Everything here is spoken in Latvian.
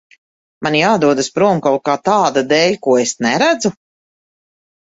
Man jādodas prom kaut kā tāda dēļ, ko es neredzu?